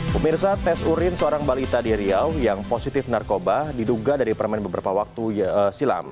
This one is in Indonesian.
pemirsa tes urin seorang balita di riau yang positif narkoba diduga dari permen beberapa waktu silam